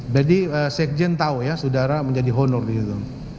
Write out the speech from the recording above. sekjen tahu ya saudara menjadi honor gitu